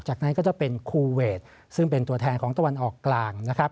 จากนั้นก็จะเป็นคูเวทซึ่งเป็นตัวแทนของตะวันออกกลางนะครับ